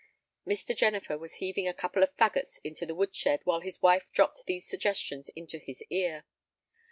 Mr. Jennifer was heaving a couple of fagots into the wood shed while his wife dropped these suggestions into his ear.